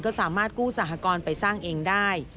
ก็สามารถกู้สหกรณ์ไปสร้างเองได้